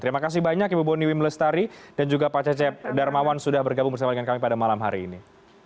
terima kasih banyak ibu boni wim lestari dan juga pak cecep darmawan sudah bergabung bersama dengan kami pada malam hari ini